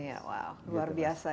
iya luar biasa